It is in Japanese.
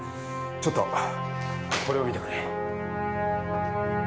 ちょっとこれを見てくれ。